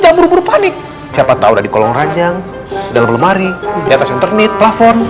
tak buru buru panik siapa tahu dari kolong ranjang dalam lemari di atas internet plafon